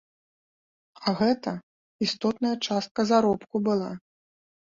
А гэта істотная частка заробку была.